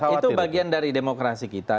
itu bagian dari demokrasi kita